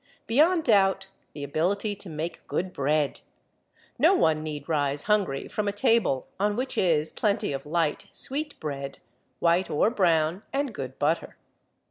Beyond doubt, the ability to make good bread. No one need rise hungry from a table on which is plenty of light, sweet bread, white or brown, and good butter.